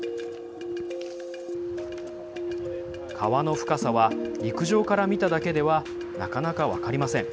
川の深さは陸上から見ただけではなかなか分かりません。